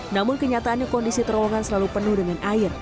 namun kenyataannya kondisi terowongan selalu penuh dengan air